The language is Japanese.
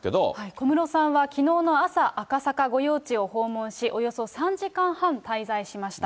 小室さんはきのうの朝、赤坂御用地を訪問し、およそ３時間半、滞在しました。